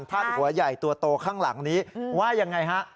ภาษาหัวใหญ่ตัวโตข้างหลังนี้ว่าอย่างไรฮะ